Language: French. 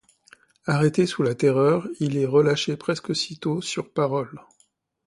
Arrêté sous le Terreur, il est relâché presque aussitôt sur parole.